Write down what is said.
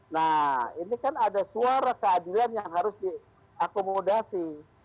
nah ini kan ada suara keadilan yang harus diakomodasi